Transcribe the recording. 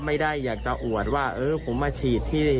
ไม่ได้อยากจะอวดว่าเออผมมาฉีดที่